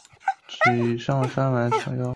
以上山采草药买卖为生。